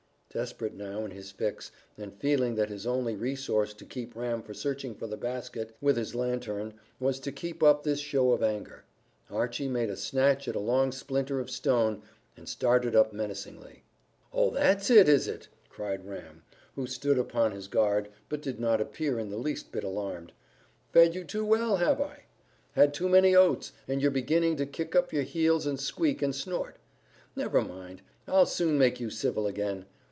Desperate now in his fix, and feeling that his only resource to keep Ram from searching for the basket with his lanthorn was to keep up this show of anger, Archy made a snatch at a long splinter of stone, and started up menacingly. "Oh, that's it, is it?" cried Ram, who stood upon his guard, but did not appear in the least bit alarmed. "Fed you too well, have I? Had too many oats, and you're beginning to kick up your heels and squeak and snort. Never mind, I'll soon make you civil again.